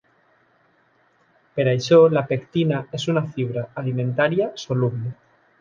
Per això la pectina és una fibra alimentària soluble.